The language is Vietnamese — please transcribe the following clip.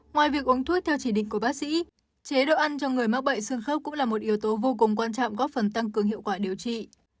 ngoài việc uống thuốc theo chỉ định của bác sĩ chế độ ăn cho người mắc bệnh xương khớp cũng là một yếu tố vô cùng quan trọng góp phần tăng cường hiệu quả điều trị